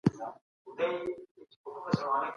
په دولت کي سیاست خورا مهم رول لري.